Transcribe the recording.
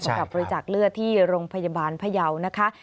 ใช่ครับครับสำหรับบริจาคเลือดที่โรงพยาบาลพยาวนะคะ